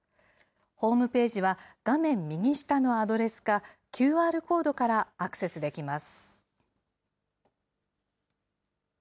ホームページは画面右下のアドレスか、ＱＲコードからアクセスできます。